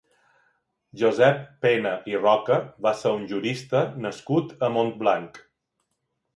Josep Pena i Roca va ser un jurista nascut a Montblanc.